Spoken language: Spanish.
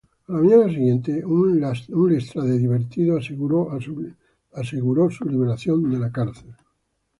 A la mañana siguiente, un Lestrade divertido aseguró su liberación de la cárcel.